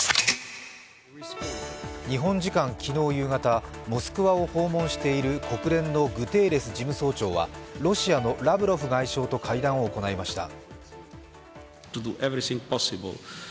日本時間昨日夕方、モスクワを訪問している国連のグテーレス事務総長はロシアのラブロフ外相と会談を行いました。